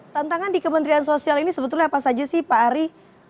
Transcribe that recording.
tantangan di kementerian sosial ini sebetulnya apa saja sih pak ari